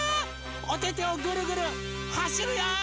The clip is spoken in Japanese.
おててをぐるぐるはしるよ！